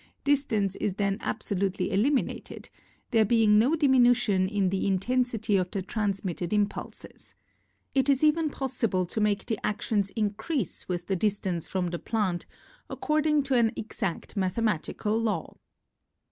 Distance is then absolutely eliminated, there being no diminution in the intensity of the trans mitted impulses. It is even possible to make the actions increase with the distance from the plant according to an exact mathemati cal law.